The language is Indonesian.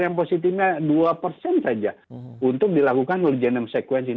yang positifnya dua persen saja untuk dilakukan whole genome sequencing